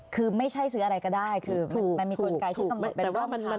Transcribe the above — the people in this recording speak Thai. คือไม่ใช่ซื้ออะไรก็ได้มันมีกลไกที่กำหนดเป็นร่องทางไว้